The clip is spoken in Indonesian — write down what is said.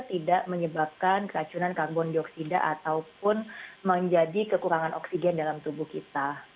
tidak menyebabkan keracunan karbon dioksida ataupun menjadi kekurangan oksigen dalam tubuh kita